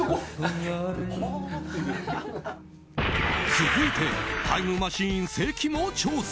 続いてタイムマシーン関も挑戦。